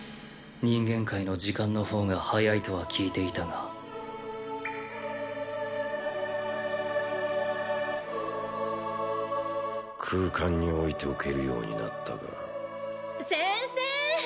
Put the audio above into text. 人間界の時間の方が早いとは聞いていたが空間に置いておけるようになったが先生